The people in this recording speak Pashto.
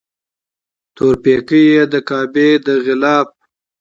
تور پیکی یې د کعبې د غلاف